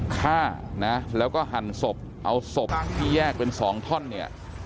ฆ่านะแล้วก็หั่นศพเอาศพที่แยกเป็นสองท่อนเนี่ย